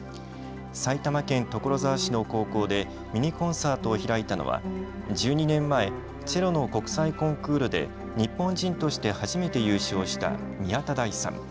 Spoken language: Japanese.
埼玉県所沢市の高校でミニコンサートを開いたのは１２年前、チェロの国際コンクールで日本人として初めて優勝した宮田大さん。